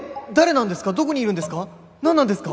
なんなんですか？